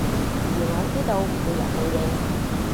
而我知道會有報應